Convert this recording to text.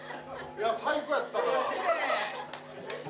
最高やった。